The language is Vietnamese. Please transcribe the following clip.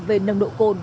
về nồng độ cồn